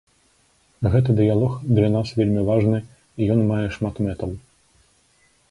Гэты дыялог для нас вельмі важны, і ён мае шмат мэтаў.